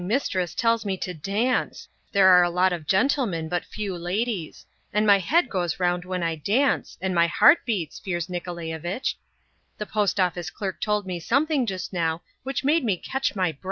[Stops to powder her face] The young mistress tells me to dance there are a lot of gentlemen, but few ladies and my head goes round when I dance, and my heart beats, Fiers Nicolaevitch; the Post office clerk told me something just now which made me catch my breath.